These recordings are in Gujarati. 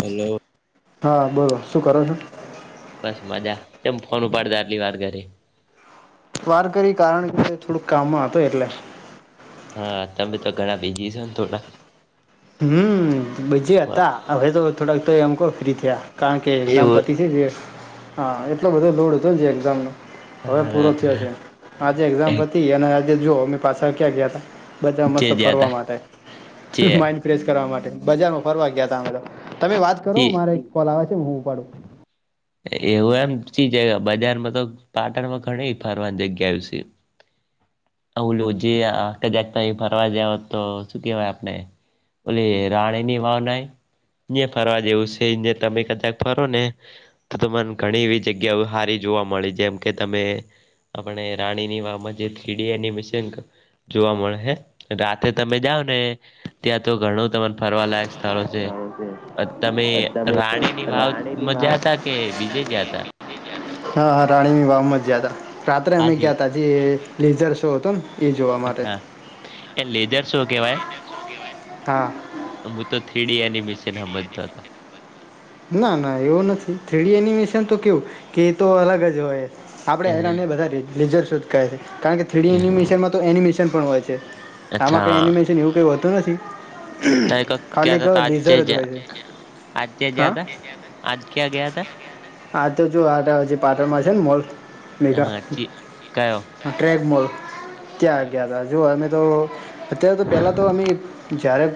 હલો હા બોલો હ શું કરો છો બસ મજા કેમ ફોન ઉપાડતા આટલી વાર કરી વાર કરી કારણ કે થોડુંક કામમાં હતો એટલે હા તમે તો ઘણા બિઝી છો ને થોડા હમ બીઝી હતા હવે તો થોડાક તો એમ કહોફ્રી થયા કારણ કે એક્ઝામ એવું પતી છે હા એટલો બધો લોડ હતો જે એક્ઝામનો હવે પૂરો થયો છે આજે એક્ઝામ પતી અને આજે જોઓ મે પાછા ક્યાં ગયા હતા બજારમાં જે મસ્ત ગયા ફરવા તા માટે જે માઈન્ડ ફ્રેશ કરવા માટે બજારમાં ફરવા ગયા હતા એમ તો તમે વાત કરો મારે એક કોલ આવે છે હું ઉપાડું એવું એમ ચી જગ્યા બજારમાં તો પાટણમાં ઘણી ફરવાની જગ્યાઓ છે ઓલું જે આ જાગતા ફરવા જાવ તો શું કહેવાય આપને ઓલી રાણીની વાાવ નહી ન્યા ફરવા જેવું છે તમે કદાચ ફરો ને તો તને ઘણી એવી જગ્યાઓ સારી જોવા મળી જેમ કે તમે આપણે રાણીની વાવમાં જે થ્રીડી એનિમિશન જોવા મળશે રાતે તમે જાઓ ને ત્યાં તો ઘણું તને ફરવાલાાયક સ્થળો છે સારું તમે છે તમે રાણી ની રાણીની વાવમાં વાવ જાતા કે બીજે જાતા હા હા રાણીની વાવમાં જ જયા તા રાત્રે હા અમે જી ગયા ત જે લેઝર શો હતો ને એ જોવા માટે અચ્છા એ લેજર શૉ કહેવાય હા હું તો થ્રી ડી એનીમિશન સમજતો હતો ના ના એવો નથી થ્રીડી એનિમેશન તો કેવું કે એ તો અલગ જ હોય આપણે એ બધા લેઝર શો કહે છે કારણ કે થ્રીડી એનિમેશન એન એમ પણ હોય છે આમા કઇ અચ્છા એનિમેશન એવું કઈ હોતું નથી ત ક ખાલી ક્યા કયો ત આજે લૅઝર જ હોય છે આજે હા જયાતા આજ ક્યાં ગયા તા આ તો જો આ હજી પાટણમાં છે ને મોલ મેઘા હ કયો હા ટ્રેક મોલ એવું ત્યાં એમ. ગયા હતા જોઓ અમે તો અત્યારે તો પેલા તો અમે જ્યારે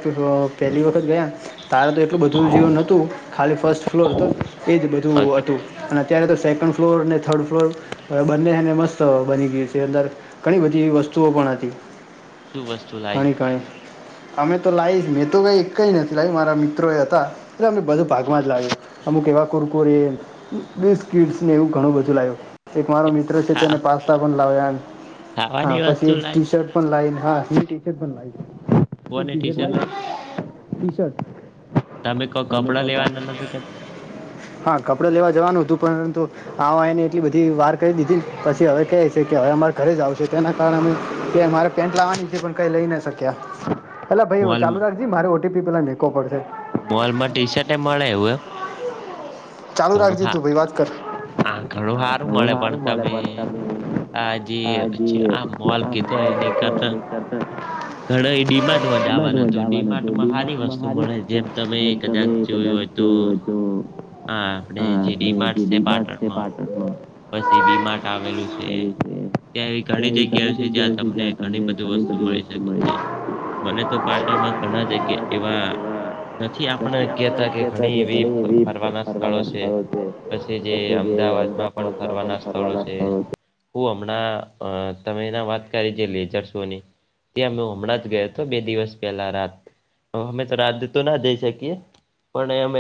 પહેલી વખત ગયા તારેા તો એટલું બધું જેવું નોતું ખાલી ફર્સ્ટ ફ્લોર તો એજ બધું અચ્છા હતું અને અત્યારે તો સેકન્ડ ફ્લોર ને થર્ડ ફ્લોર હવે બંનેને મસ્ત બની ગયુ છે અંદર ઘણી બધી વસ્તુઓ પણ હતી શું વસ્તુ લાઈ કણી કાય અમે તો લાઇવ મેં તો કઈ એકય નથી લાવી મારા મિત્રોય હતા એટલે અમને બધો ભાગમાં જ લાગ્યું અમુક એવા કુરકુરે બિસ્કીિટ ને એવું ઘણું બધું લાગ્યું એક મારો મિત્ર છે ખા તેને પાસ્તા પણ લાવ્યાન હા ખાવાની પછી વસ્તુ એક લાઈ ટી શર્ટ પણ લાઈન હા ટી શર્ટ પણ લાઈ એક ટી શર્ટ લાઈ, ટી શર્ટ તમે કોઈ તો કપડા કહો લેવાના નથી કેતા હા કપડે લેવા જવાનું હતું પરંતુ આ એને એટલી બધી વાર કરી દીધી પછી હવે ક છે કે હવે અમારે ઘરે જ આવશું તેના કારણે અમે મારે પેન્ટ લાવવાની છે પણ કંઈ લઈ ન શક્યા એટલે ભાઈ ચાલુ મોલમાં રાખજ મારે ઓટીપી પેલા લખો પડશે. મોલ માં ટી શર્ટ એ મળે એવું એમ ચાલું ઘણું રાખજે હા તું ભાઈ વાત કર હા ઘણું સારું ઘણું મળે પણ સારું મળે તમે પણ તમે આ જે હાજી આ મોલ કીધો મોબાઈલ છે એની તો કરતા કરતાં ઘણા એ ડીમાર્ટમાં જવાનું હતું ડીમાર્ટમાં સારી વસ્તુ મળે જેમ તમે કદાચ જોયું હોય. તો હ આપણે જે ડીમાર્ટ છે પાટણમાં પછી વી માર્ટ આવેલું છે ત્યાં એવી ઘણી જગ્યાઓ છે જ્યાં તમને ઘણી બધી વસ્તુ મળી શકે છે. મને તો પાટણમાં ઘણા જગ્યા એવા નથી આપણે કહેતા કે ઘણી એવી ફરવાના સ્થળો છે પછી જે અમદાવાદમાં પણ ફરવાના સ્થળો છે. હું હમણાં અ તમે એના વાત કરી છે લેચર સોની ત્યાં મેં હમણાં જ ગયો હતો બે દિવસ પહેલા રાત અમે તો રાદ તો ના જઈ શકીએ પણ અમે